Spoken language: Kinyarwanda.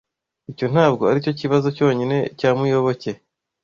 Icyo ntabwo aricyo kibazo cyonyine cya Muyoboke.